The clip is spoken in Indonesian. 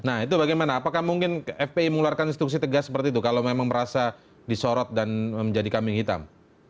nah itu bagaimana apakah mungkin fpi mengeluarkan instruksi tegas seperti itu kalau memang merasa disorot dan menjadi kambing hitam